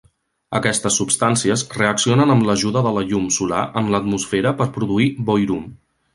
Aquestes substàncies reaccionen amb l'ajuda de la llum solar en l'atmosfera per produir boirum.